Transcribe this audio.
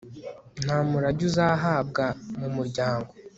nta murage uzahabwa mu muryango